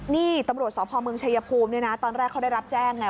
นี่ตำรวจสพเมืองชายภูมิเนี่ยนะตอนแรกเขาได้รับแจ้งไง